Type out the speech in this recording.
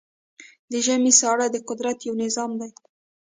د ژمی ساړه د قدرت یو نظام دی.